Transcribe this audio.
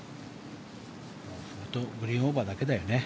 グリーンオーバーだけだよね